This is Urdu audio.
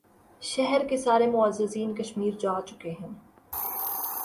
شہر کے سارے معززین کشمیر جا چکے ہیں